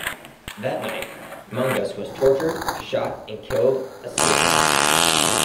That night, Mangas was tortured, shot and killed "escaping".